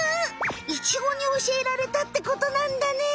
イチゴにおしえられたってことなんだね。